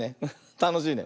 たのしいね。